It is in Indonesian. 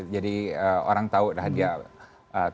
jadi orang tahu dah dia temperamennya